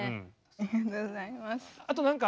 ありがとうございます。